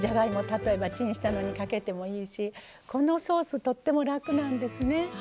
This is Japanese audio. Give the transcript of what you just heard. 例えばチンしたのにかけてもいいしこのソースとっても楽なんですね。